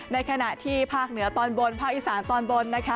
ในขณะที่ภาคเหนือตอนบนภาคอีสานตอนบนนะคะ